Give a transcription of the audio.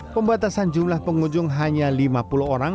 pembatasan jumlah pengunjung hanya lima puluh orang